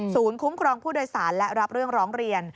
คุ้มครองผู้โดยสารและรับเรื่องร้องเรียน